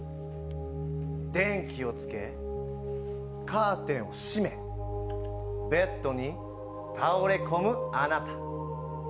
電気をつけ、カーテンを閉め、ベッドに倒れ込むあなた。